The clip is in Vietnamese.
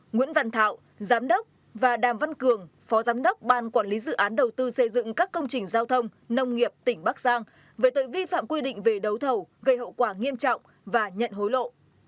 nguyễn văn thảo giám đốc và đàm văn cường phó giám đốc ban quản lý dự án đầu tư xây dựng các công trình giao thông nông nghiệp tỉnh bắc giang về tội vi phạm quy định về đấu thầu gây hậu quả nghiêm trọng và nhận hối lộ